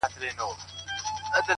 • د هر چا په لاس کي خپله عریضه وه,